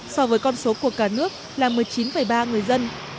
so với con số của cả nước là một mươi chín ba người dân